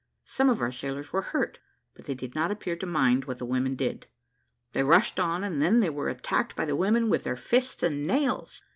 Some of our sailors were hurt, but they did not appear to mind what the women did. They rushed on, and then they were attacked by the women with their fists and nails.